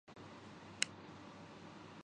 بلند پائے کے مقرر تھے۔